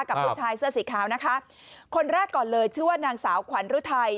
กับผู้ชายเสื้อสีขาวนะคะคนแรกก่อนเลยชื่อว่านางสาวขวัญฤทัย